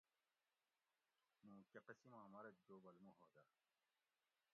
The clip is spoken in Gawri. ھوں کہ قسیماں مرگ جوبل مُو ہودہ